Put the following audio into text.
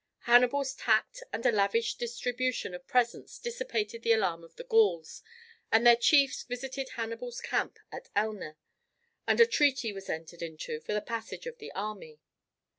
Hannibal's tact and a lavish distribution of presents dissipated the alarm of the Gauls, and their chiefs visited Hannibal's camp at Elne, and a treaty was entered into for the passage of the army.